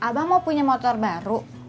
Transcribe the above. abang mau punya motor baru